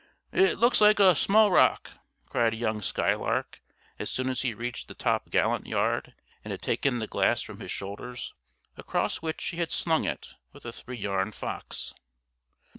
"It looks like a small rock," cried young "Skylark" as soon as he reached the top gallant yard and had taken the glass from his shoulders, across which he had slung it with a three yarn fox.